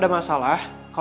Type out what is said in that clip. lo malah jahatkan